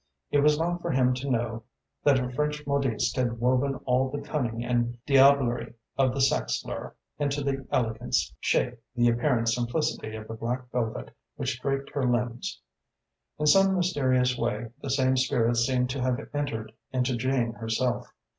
It was not for him to know that a French modiste had woven all the cunning and diablerie of the sex lure into the elegant shape, the apparent simplicity of the black velvet which draped her limbs. In some mysterious way, the same spirit seemed to have entered into Jane herself.